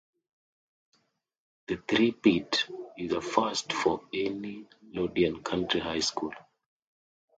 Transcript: The "three-peat" is a first for any Loudoun County High School.